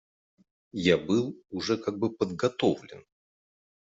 Я был уже как бы подготовлен.